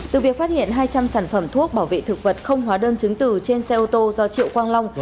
từ việc phát hiện hai trăm linh sản phẩm thuốc bảo vệ thực vật không hóa đơn chứng tử trên xe ô tô do triệu quang long